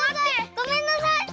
ごめんなさい。